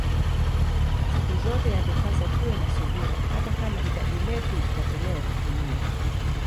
Siku zote yatupasa tuwe na subira hata Kama hitaji letu litachelewa kutimia